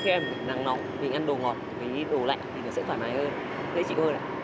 khi em nằm nọ mình ăn đồ ngọt với đồ lạnh thì nó sẽ thoải mái hơn dễ chịu hơn